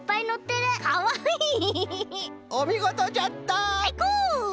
おみごとじゃった！